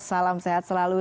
salam sehat selalu